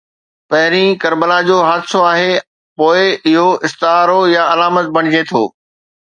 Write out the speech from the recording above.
پهرين ڪربلا جو حادثو آهي، پوءِ اهو استعارو يا علامت بڻجي ٿو.